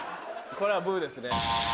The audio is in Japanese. これはブですね。